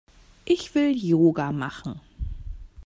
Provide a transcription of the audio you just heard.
Ich will Yoga machen.